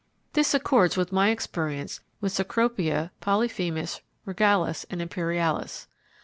This accords with my experience with Cecropia, Polyphemus, Regalis, and Imperialis.